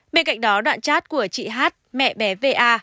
bên cạnh đó đoạn chat của chị hát mẹ bé va